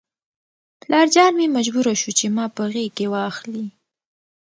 پلارجان مې مجبور شو چې ما په غېږ کې واخلي.